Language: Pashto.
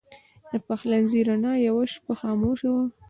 د پخلنځي رڼا یوه شپه خاموشه وه.